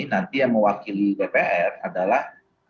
nanti yang mewakili dpr adalah